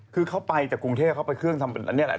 คือเขาไปจากกรุงเทพเขาไปเครื่องทำเป็นอันนี้แหละ